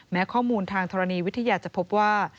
แม้ข้อมูลทางธรณีวิทยาจะพบว่า